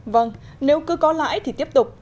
vâng nếu cứ có lãi thì tiếp tục